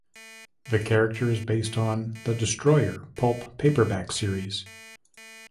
The character is based on "The Destroyer" pulp paperback series.